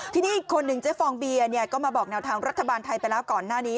ทีนี้อีกคนหนึ่งเจ๊ฟองเบียร์ก็มาบอกแนวทางรัฐบาลไทยไปแล้วก่อนหน้านี้